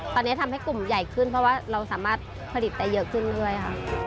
ตอนนี้ทำให้กลุ่มใหญ่ขึ้นเพราะว่าเราสามารถผลิตได้เยอะขึ้นด้วยค่ะ